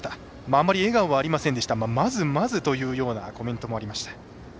あまり笑顔はありませんでしたがまずまずというようなコメントもありました。